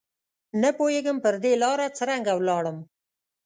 نه پوهېږم پر دې لاره څرنګه ولاړم